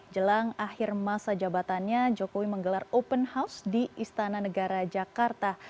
jelang akhir masa jabatannya jokowi menggelar open house di istana negara jakarta